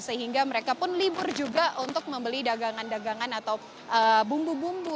sehingga mereka pun libur juga untuk membeli dagangan dagangan atau bumbu bumbu